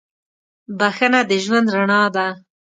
• بخښنه د ژوند رڼا ده.